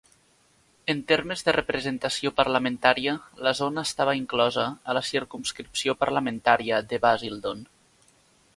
En termes de representació parlamentària, la zona estava inclosa a la circumscripció parlamentària de Basildon.